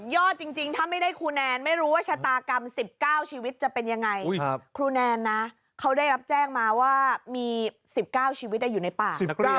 จริงถ้าไม่ได้ครูแนนไม่รู้ว่าชะตากรรม๑๙ชีวิตจะเป็นยังไงครูแนนนะเขาได้รับแจ้งมาว่ามี๑๙ชีวิตอยู่ในป่า